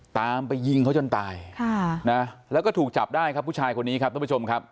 ตามไปยิงเขาจนตายค่ะนะแล้วก็ถูกจับได้ครับผู้ชายคนนี้ครับท่านผู้ชมครับ